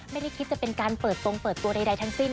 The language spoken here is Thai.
ไม่ได้คิดจะเป็นการเปิดตรงเปิดตัวทีใดนะครับ